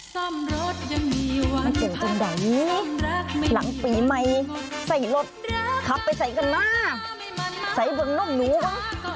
ซ่อมรถยังมีวันเก่งจังดังนี้หลังปีใหม่ใส่รถขับไปใส่กันมากใส่เบื้องนมหนูว่ะ